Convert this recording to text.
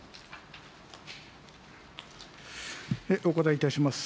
お答えいたします。